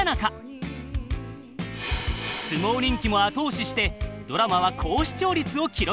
相撲人気も後押ししてドラマは高視聴率を記録。